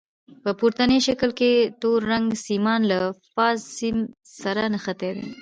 په پورتني شکل کې تور رنګ سیمان له فاز سیم سره نښتي دي.